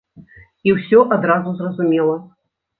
І ўсё адразу зразумела.